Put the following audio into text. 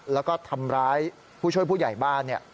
แล้วก็ทำร้ายผู้ช่วยผู้ใหญ่บ้าน